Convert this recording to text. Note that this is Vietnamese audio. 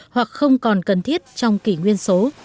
hoặc không còn cần thiết trong kỷ nguyên số